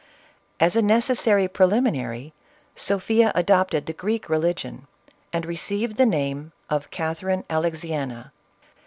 As a necessary prelimi nary, Sophia adopted the Greek religion, and received the name of Catherine Alexiena.